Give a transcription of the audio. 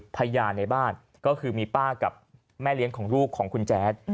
พยานในบ้านก็คือมีป้ากับแม่เลี้ยงของลูกของคุณแจ๊ด